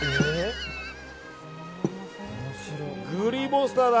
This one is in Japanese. グリーンモンスターだ！